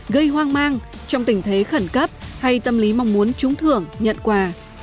gây hoang mang trong tình thế khẩn cấp hay tâm lý mong muốn trúng thưởng nhận quà